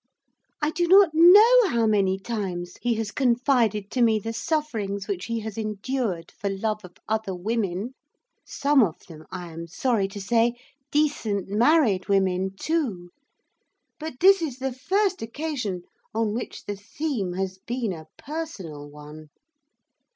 I do not know how many times he has confided to me the sufferings which he has endured for love of other women some of them, I am sorry to say, decent married women too; but this is the first occasion on which the theme has been a personal one.